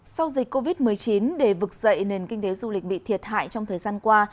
sau dịch covid một mươi chín để vực dậy nền kinh tế du lịch bị thiệt hại trong thời gian qua